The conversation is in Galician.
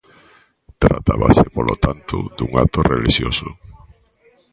Tratábase, polo tanto, dun acto relixioso.